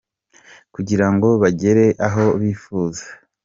kugira ngo bagere aho bifuza.